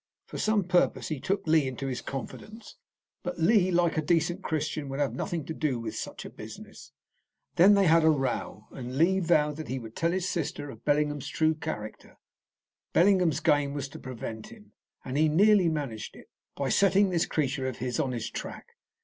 For some purpose he took Lee into his confidence; but Lee, like a decent Christian, would have nothing to do with such a business. Then they had a row, and Lee vowed that he would tell his sister of Bellingham's true character. Bellingham's game was to prevent him, and he nearly managed it, by setting this creature of his on his track.